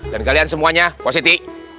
dan kalian semuanya positi